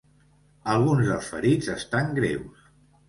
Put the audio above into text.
Alguns dels ferits estan greus.